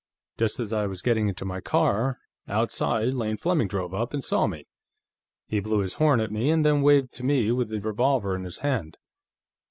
Just as I was getting into my car, outside, Lane Fleming drove up and saw me. He blew his horn at me, and then waved to me with this revolver in his hand.